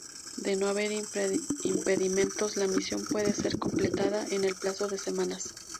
De no haber impedimentos la misión puede ser completada en el plazo de semanas.